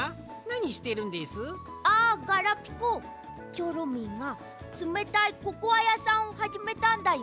チョロミーがつめたいココアやさんをはじめたんだよ。